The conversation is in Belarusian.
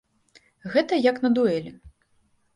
Гэта як на дуэлі.